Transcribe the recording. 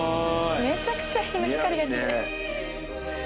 めちゃくちゃ日の光が。